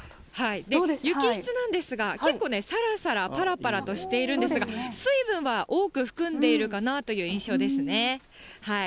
雪質なんですが、結構ね、さらさら、ぱらぱらとしているんですが、水分は多く含んでいるかなという印象ですね。